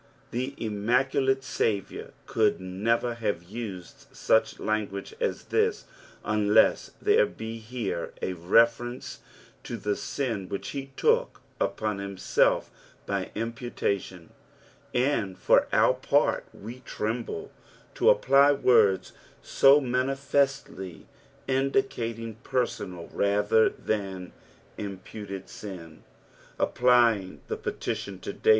The immaculate Saviour could never have used such langnage as this unless there be here a reference to the sin which he took upon himself by imputation ; and for our part we iremblc to apply words so mamfestly indicating personal rather than imputed sin. Applying the petition to Da?